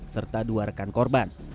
serta dua rekan korban